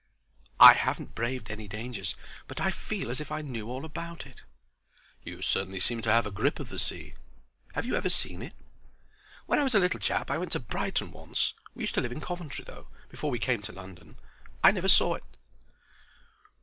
"I haven't braved any dangers, but I feel as if I knew all about it." "You certainly seem to have a grip of the sea. Have you ever seen it?" "When I was a little chap I went to Brighton once; we used to live in Coventry, though, before we came to London. I never saw it.